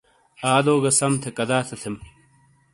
آدو گہ سم تھے کدا تھے تھیم۔